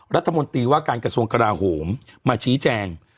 รัฐมนตรีว่าการกระทรวงกราโหมมาชี้แจง